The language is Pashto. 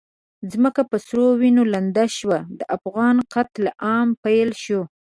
ځمکه په سرو وینو لنده شوه، د افغان قتل عام پیل شو.